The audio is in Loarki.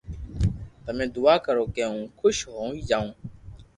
تمي دعا ڪرو ڪي ھون خوݾ ھوئي جاو